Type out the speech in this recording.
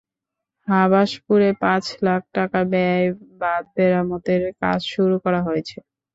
হাবাসপুরে পাঁচ লাখ টাকা ব্যয়ে বাঁধ মেরামতের কাজ শুরু করা হয়েছে।